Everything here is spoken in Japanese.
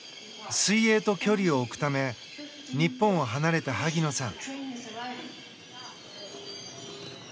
水泳と距離を置くため日本を離れた萩野さん。